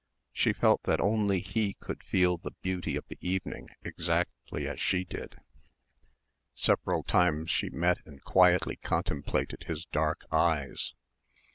She felt that only he could feel the beauty of the evening exactly as she did. Several times she met and quietly contemplated his dark eyes.